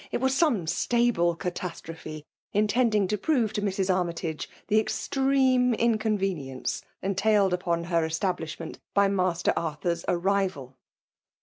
— ^it was some stable catastrophe^ intending to prove to Mrs. Armytage the ex* tseme inconvenience entailed upon her esta bliahment by Master Arthur*s arrival.